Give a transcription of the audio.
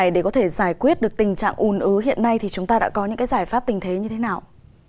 được tình trạng ùn ứ hiện nay chúng ta đã có những giải pháp tình thế như thế nào